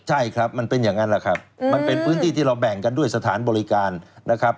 ใช่ครับมันเป็นอย่างนั้นแหละครับมันเป็นพื้นที่ที่เราแบ่งกันด้วยสถานบริการนะครับ